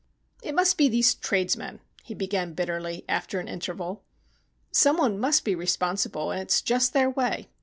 "It must be these tradesmen," he began bitterly after an interval. "Some one must be responsible, and it's just their way.